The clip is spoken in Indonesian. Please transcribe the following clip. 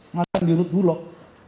mantan dirut bulog